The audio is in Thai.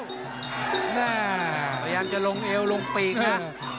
พยายามจะลงเอวลงปีกนะ